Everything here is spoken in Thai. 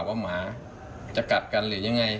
หมาจะกัดกันอย่างไร